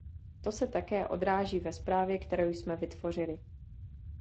To se také odráží ve zprávě, kterou jsme vytvořili.